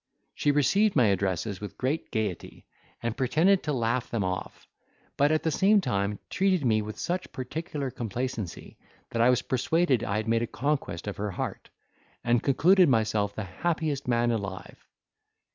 She received my addresses with great gaiety, and pretended to laugh them off, but at the same time treated me with such particular complacency that I was persuaded I had made a conquest of her heart, and concluded myself the happiest man alive.